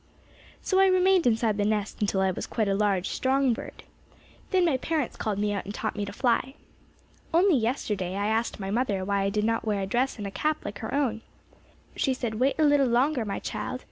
"So I remained inside the nest until I was quite a large, strong bird. Then my parents called me out and taught me to fly. "Only yesterday I asked my mother why I did not wear a dress and cap like her own. "She said, 'Wait a little longer, my child.